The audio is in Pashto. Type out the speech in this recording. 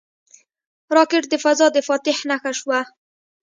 راکټ د فضا د فاتح نښه شوه